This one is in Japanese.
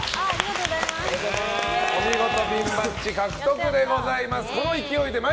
お見事ピンバッジ獲得でございます。